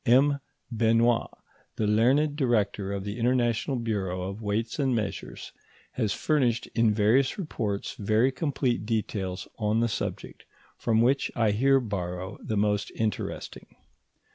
M. Benoit, the learned Director of the International Bureau of Weights and Measures, has furnished in various reports very complete details on the subject, from which I here borrow the most interesting.